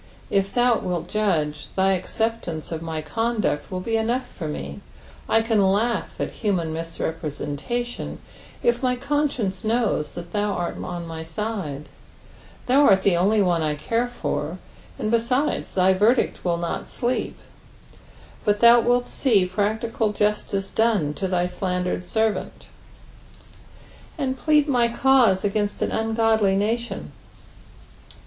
It thou wilt judge, thy acceptance of my conduct will be enough for me ; I can laugh at human misrepresentation if my conscience knons that thou art on my side ; thou art the only one I core for ; and besides, thy verdict will not sleep, but thou nilt see practical justice done to thy slandered servant. "And plead my eauta against an vngodljf uni/on.''